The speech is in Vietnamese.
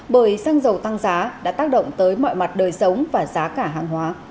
bởi sang giàu tăng giá đã tác động tới mọi mặt đời sống và giá cả hàng hóa